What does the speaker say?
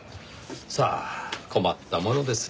さあ困ったものです。